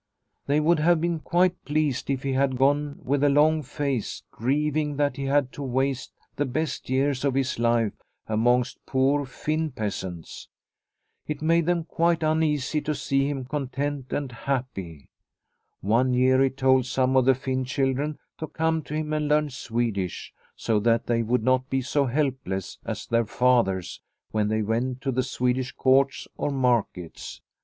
They would have been quite pleased if he had gone with a long face grieving that he had to waste the best years of his life amongst poor Finn peasants. It made them quite uneasy to see him content and happy. One year he told some of the Finn children to come to him and learn Swedish, so that they would not be so helpless as their fathers The Pastor from Finland 153 when they went to the Swedish courts or markets.